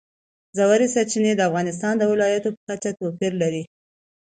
ژورې سرچینې د افغانستان د ولایاتو په کچه توپیر لري.